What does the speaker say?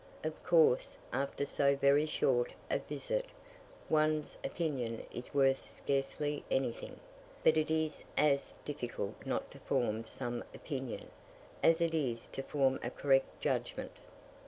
Of course, after so very short a visit, one's opinion is worth scarcely anything; but it is as difficult not to form some opinion, as it is to form a correct judgment.